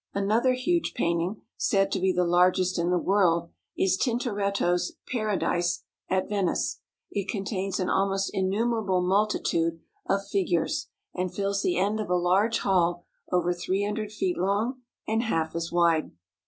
Another huge painting, said to be the largest in the world, is Tintoretto's "Paradise," at Venice. It contains an almost innumerable multitude of figures, and fills the end of a large hall, over three hundred feet long and half as wide.